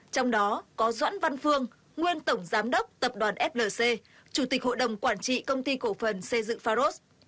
trong đó có doãn văn phương nguyên tổng giám đốc tập đoàn flc chủ tịch hội đồng quản trị công ty cổ phần xây dựng pharos